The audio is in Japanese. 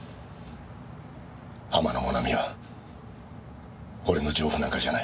天野もなみは俺の情婦なんかじゃない。